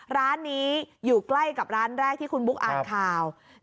ร้านนี้อยู่ใกล้กับร้านแรกที่คุณบุ๊กอ่านข่าว